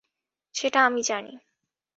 সেটা আমি জানি।